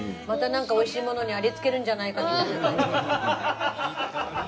またなんか美味しいものにありつけるんじゃないか。